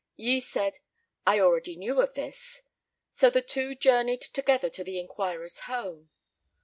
Yi said, "I already knew of this." So the two journeyed together to the inquirer's home.